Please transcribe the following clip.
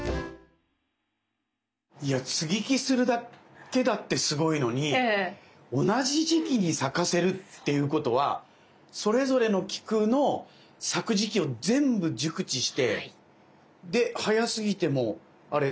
いや接ぎ木するだけだってすごいのに同じ時期に咲かせるっていうことはそれぞれの菊の咲く時期を全部熟知してで早すぎても接ぎ木の時期がダメだし。